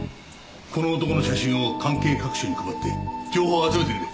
この男の写真を関係各所に配って情報を集めてくれ。